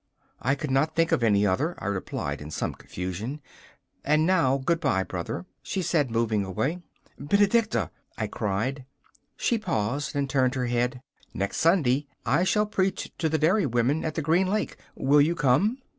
'I could not think of any other,' I replied, in some confusion. 'And now good bye, Brother,' she said, moving away. 'Benedicta,' I cried. She paused and turned her head. 'Next Sunday I shall preach to the dairy women at the Green Lake; will you come?